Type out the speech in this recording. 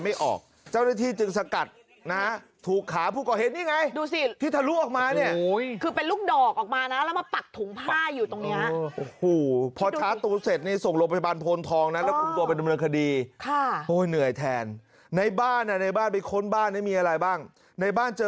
ไม่ออกเจ้าหน้าที่จึงสกัดน่ะถูกขาผู้ก่อเห็นนี่ไงดู